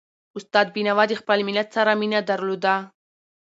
استاد بينوا د خپل ملت سره مینه درلوده.